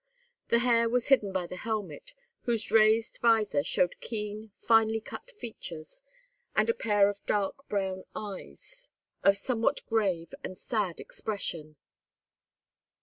The hair was hidden by the helmet, whose raised visor showed keen, finely cut features, and a pair of dark brown eyes, of somewhat grave and sad expression.